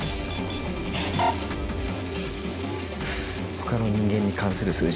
他の人間に関する数字。